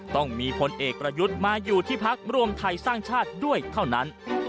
ต้องมีพลเอกประยุทธ์มาอยู่ที่พักรวมไทยสร้างชาติด้วยเท่านั้น